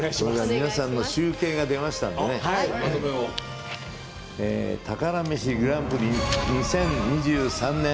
皆さんの集計が出ましたので宝メシグランプリ２０２３年。